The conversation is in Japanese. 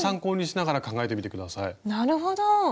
なるほど！